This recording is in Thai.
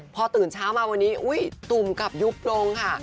พอตื่นเช้ามาวันนี้ตุ่มกลับยุบลงค่ะ